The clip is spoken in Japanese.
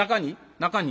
中に？